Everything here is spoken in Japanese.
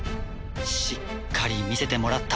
しっかり見せてもらった。